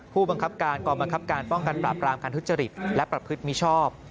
ผู้บังคับการกองบังคับการป้องกันปราบรามการทุจริตและประพฤติมิชอบ